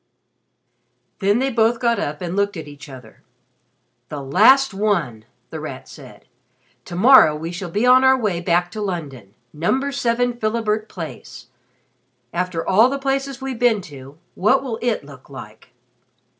Then they both got up and looked at each other. "The last one!" The Rat said. "To morrow we shall be on our way back to London Number 7 Philibert Place. After all the places we've been to what will it look like?"